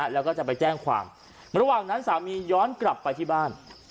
แล้วก็จะไปแจ้งความระหว่างนั้นสามีย้อนกลับไปที่บ้าน